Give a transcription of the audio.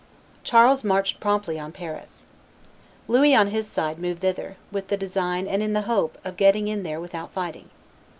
Charles marched promptly on Paris. Louis, on his side, moved thither, with the design and in the hope of getting in there without fighting.